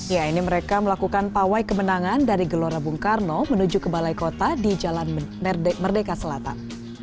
ya ini mereka melakukan pawai kemenangan dari gelora bung karno menuju ke balai kota di jalan merdeka selatan